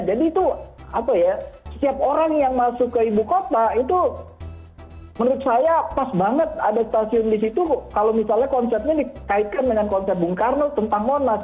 jadi itu apa ya setiap orang yang masuk ke ibu kota itu menurut saya pas banget ada stasiun disitu kalau misalnya konsernya dikaitkan dengan konser bung karno tentang monas